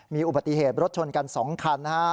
มีอุบัติเหตุรถชนกัน๒คันนะฮะ